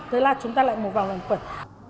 thế là chúng ta lại một vòng lành quẩn